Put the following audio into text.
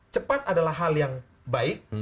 cepat adalah hal yang baik